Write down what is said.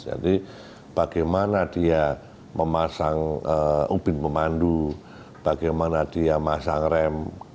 jadi bagaimana dia memasang ubin memandu bagaimana dia masang rem